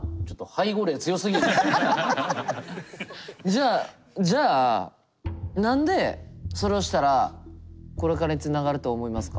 じゃあじゃあ何でそれをしたらこれからにつながると思いますか？